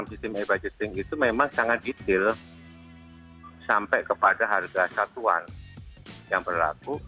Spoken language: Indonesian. sistem e budgeting itu memang sangat detail